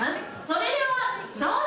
それではどうぞ！